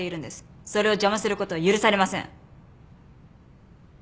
それを邪魔することは許されません。